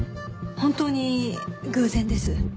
本当に偶然です。